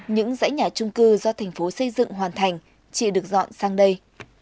những dãy nhà chung cư do thành phố xây dựng hoàn thành chị được dọn sang đây